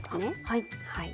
はい。